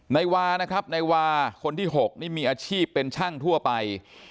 นายวานะครับนายวาคนที่๖นี่มีอาชีพเป็นช่างทั่วไป